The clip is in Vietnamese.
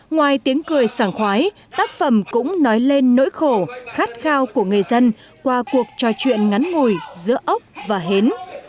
ngoài tiếng cười sàng khoái tác phẩm cũng nói lên nỗi khổ khát khao của người dân qua cuộc trò chuyện ngắn ngồi giữa ốc và hến